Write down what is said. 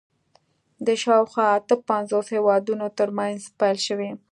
د شاوخوا اته پنځوس هېوادونو تر منځ پیل شوي